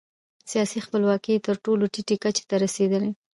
سیاسي خپلواکي یې تر ټولو ټیټې کچې ته رسېدلې.